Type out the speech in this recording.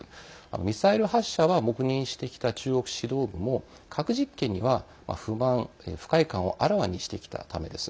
ミサイル発射は黙認してきた中国指導部も核実験には不満・不快感をあらわにしてきたためです。